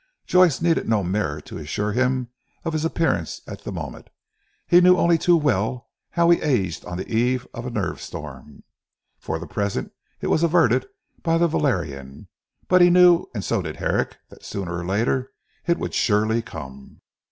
Joyce needed no mirror to assure him of his appearance at the moment. He knew only too well how he aged on the eve of a nerve storm. For the present it was averted by the valerian; but he knew and so did Herrick, that sooner or later it would surely come.